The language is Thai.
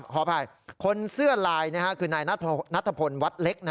ขออภัยคนเสื้อลายคือนายนัทพลวัดเล็ก